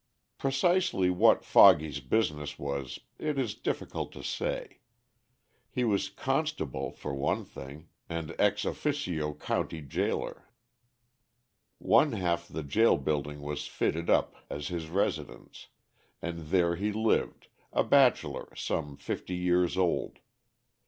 [Illustration: "FOGGY."] Precisely what "Foggy's" business was it is difficult to say. He was constable, for one thing, and ex officio county jailor. One half the jail building was fitted up as his residence, and there he lived, a bachelor some fifty years old.